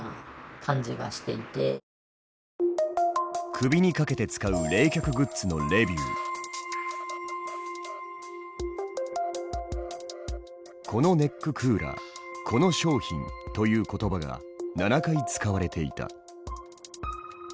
首にかけて使う「このネッククーラー」「この商品」という言葉が７回使われていた。